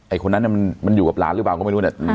ไอ้คนนั้นน่ะมันมันอยู่กับหลานหรือเปล่าก็ไม่รู้เนี้ยอ่า